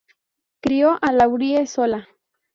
Crio a Laurie sola.